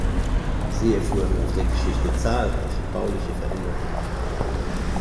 Sie erfuhr im Lauf der Geschichte zahlreiche bauliche Veränderungen.